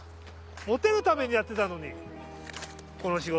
モテるためにやってたのに。の仕事。